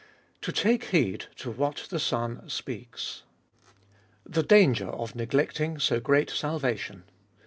To take heed to what the Son speaks (1 4). X. THE DANGER OF NEGLECTING SO GREAT SALVATION.